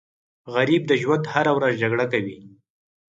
غریب د ژوند هره ورځ جګړه کوي